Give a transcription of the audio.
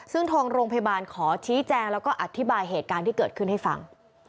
ซึ่งทางโรงพยาบาลขอชี้แจงแล้วก็อธิบายเหตุการณ์ที่เกิดขึ้นให้ฟัง